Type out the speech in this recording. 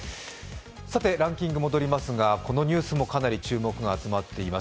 ランキング戻りますがこのニュースもかなり注目が集まっています。